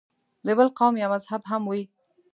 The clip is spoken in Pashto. د بل قوم یا مذهب هم وي.